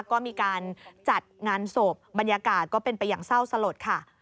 ก็มีการจัดงานศพบรรยากาศก็เป็นไปอย่างเศร้าสลดค่ะ